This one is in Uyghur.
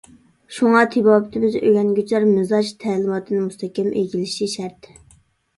شۇڭا تېبابىتىمىزنى ئۆگەنگۈچىلەر مىزاج تەلىماتىنى مۇستەھكەم ئىگىلىشى شەرت.